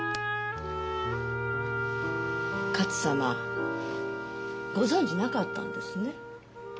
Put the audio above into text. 勝様ご存じなかったんですね。